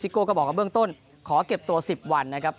โก้ก็บอกว่าเบื้องต้นขอเก็บตัว๑๐วันนะครับ